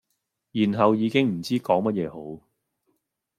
然後已經唔知講乜嘢好